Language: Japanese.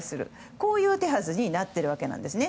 こういう手はずになっているわけなんですね。